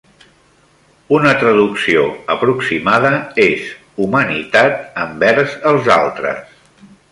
Una traducció aproximada és, «humanitat envers els altres».